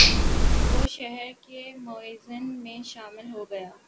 وہ شہر کے معززین میں شامل ہو گیا